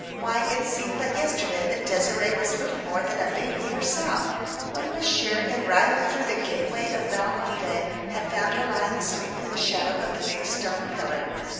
Why, it seemed but yesterday that Désirée was little more than a baby herself; when Monsieur in riding through the gateway of Valmondé had found her lying asleep in the shadow of the big stone pillar.